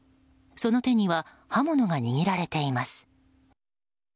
その手には刃物が握られています。